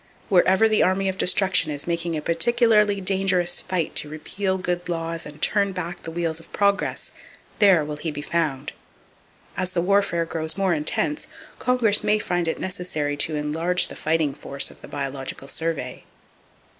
Wherever the Army of Destruction is making a particularly dangerous fight to repeal good laws and turn back the wheels of progress, there will he be found. As the warfare grows more intense, Congress may find it necessary to enlarge the fighting force of the Biological Survey.